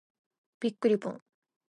びっくりぽん。